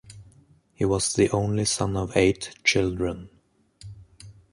He was the only son of eight children.